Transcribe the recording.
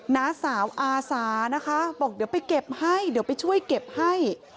น้าสาวอาสานะคะบอกเดี๋ยวไปเก็บให้เดี๋ยวไปช่วยเก็บให้